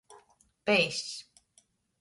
Peiss.